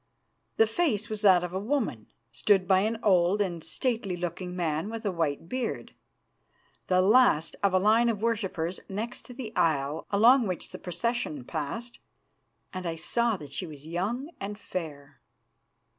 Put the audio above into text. The face was that of a woman. She stood by an old and stately looking man with a white beard, the last of a line of worshippers next to the aisle along which the procession passed, and I saw that she was young and fair.